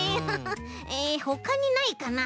えほかにないかな。